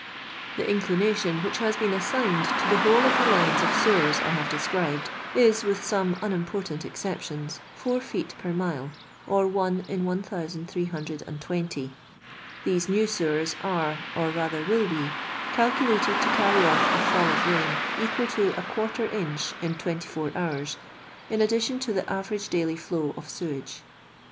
The inclination which has been assigned to the whole of the lines of sewers I have described, is, with some unimportant exceptions, 4 feet per mile, or 1 in 1320. These new sewers are, or rather will be, calculated to carry off a fall of rain, equal to \ inch in *24 hours, in addition to the average daily flow of sewage.